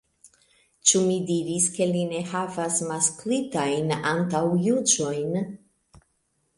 Ĉu mi diris ke li ne havas masklistajn antaŭjuĝojn?